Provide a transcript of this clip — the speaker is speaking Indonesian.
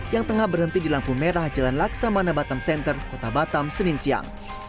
yang tengah berhenti di lampu merah jalan laksamana batam center kota batam senin siang